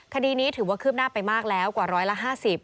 คดีนี้ถือว่าคืบหน้าไปมากแล้วกว่าร้อยละ๕๐